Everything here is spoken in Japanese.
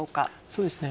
そうですね。